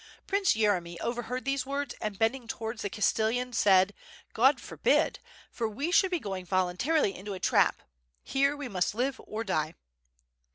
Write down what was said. Prince Yeremy overheard these words and bending towards the castellan said: "Qod forbid! for we should be going voluntarily into a trap. Here we must live or die."